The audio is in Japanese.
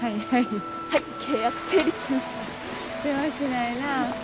はいはい。